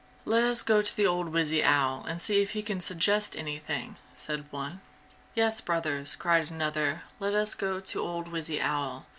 "Let us go to old Wizzy Owl and see if he can suggest anything!" said one. "Yes, brothers," cried another, "Let us go to old Wizzy Owl."